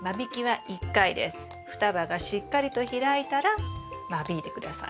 双葉がしっかりと開いたら間引いて下さい。